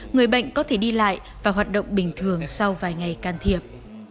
người bệnh có thể đi lại và hoạt động bình thường sau vài ngày can thiệp